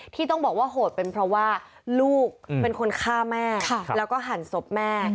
ที่ต้องบอกว่าโหดเป็นเพราะว่าลูกเป็นคนฆ่าแม่แล้วก็หั่นศพแม่